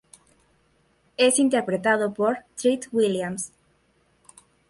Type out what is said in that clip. Es interpretado por Treat Williams.